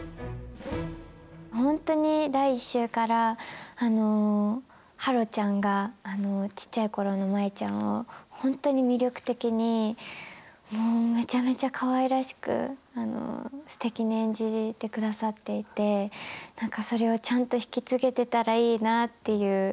本当に第１週から、芭路ちゃんが、ちっちゃいころの舞ちゃんを、本当に魅力的に、めちゃめちゃかわいらしく、すてきに演じてくださっていて、それをちゃんと引き継げてたらいいなという。